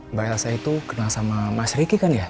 mbak elsa itu kenal sama mas ricky kan ya